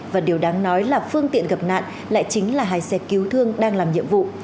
và điều đáng nói là phương tiện gặp nạn lại chính là hai xe cứu thương đang làm nhiệm vụ